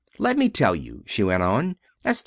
Let me tell you," she went on as T.